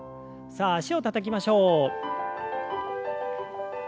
さあ脚をたたきましょう。